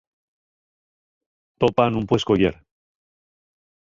To pá nun pue escoyer.